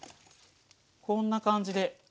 こんな感じで。